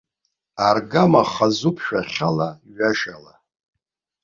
Аргама хазуп шәахьала, ҩашала.